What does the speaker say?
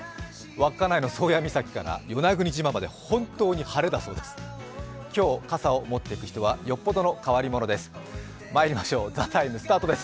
稚内の宗谷岬から与那国島まで本当に晴れだそうです。